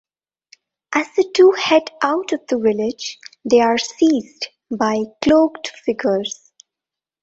As the two head out of the village they are seized by cloaked figures.